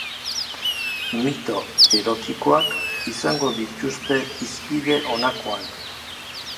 Mito erotikoak izango dituzte hizpide honakoan.